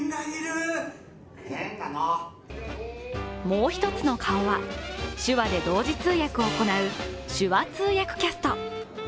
もう一つの顔は手話で同時通訳を行う手話通訳キャスト。